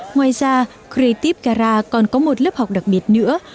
ngoài ra cretiv gara còn có một lớp học đặc biệt nữa